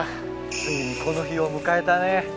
ついにこの日を迎えたね。